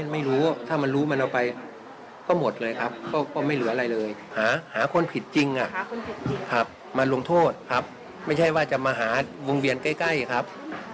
มาลงโทษครับไม่ใช่ว่าจะมาหาวงเวียนใกล้ครับ